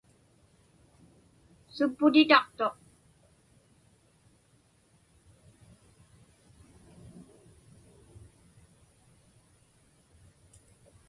Supputitaqtuq.